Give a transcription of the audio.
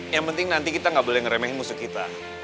yang penting nanti kita nggak boleh ngeremehin musuh kita